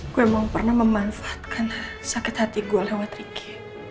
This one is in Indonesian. gue memang pernah memanfaatkan sakit hati gue lewat ricky